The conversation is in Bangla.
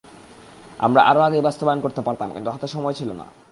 আমরা আরও আগেই বাস্তবায়ন করতে পারতাম, কিন্তু হাতে সময় ছিল না।